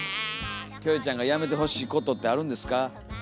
キョエちゃんがやめてほしいことってあるんですか？